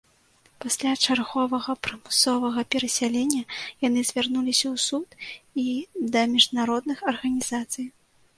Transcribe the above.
Пасля чарговага прымусовага перасялення яны звярнуліся ў суд і да міжнародных арганізацый.